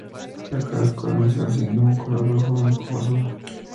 A cada escuadrón se le asignó un color: rojo, blanco o azul.